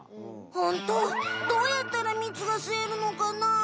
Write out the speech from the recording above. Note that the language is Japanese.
ホントどうやったらみつがすえるのかなあ？